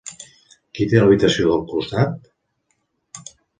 Qui té l'habitació del costat?